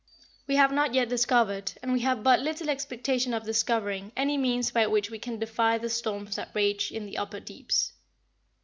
We have not yet discovered, and we have but little expectation of discovering, any means by which we can defy the storms that rage in the upper deeps.